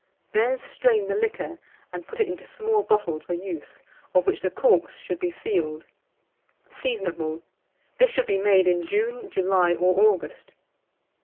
Then strain the liquor, and put it into small bottles for use, of which the corks should be sealed. Seasonable. This should be made in June, July, or August.